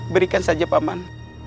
berikan saja paman